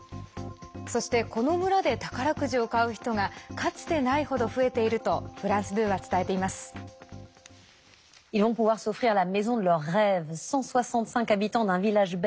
そして、この村で宝くじを買う人がかつてない程、増えているとフランス２は伝えています。